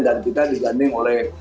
dan kita diganding oleh